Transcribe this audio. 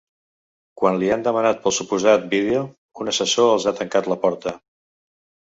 Quan li han demanat pel suposat vídeo, un assessor els ha tancat la porta.